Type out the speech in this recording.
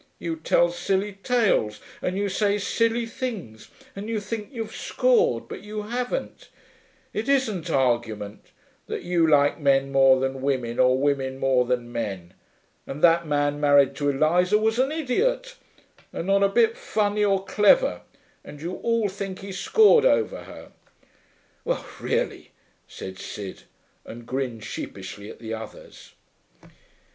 You tell silly tales, and you say silly things, and you think you've scored but you haven't. It isn't argument, that you like men more than women or women more than men. And that man married to Eliza was an idiot, and not a bit funny or clever, and you all think he scored over her.' 'Well, really,' said Sid, and grinned sheepishly at the others.